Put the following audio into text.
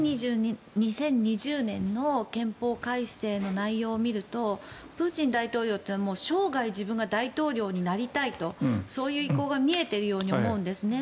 私、２０２０年の憲法改正の内容を見るとプーチン大統領は生涯自分が大統領になりたいとそういう意向が見えているように思うんですね。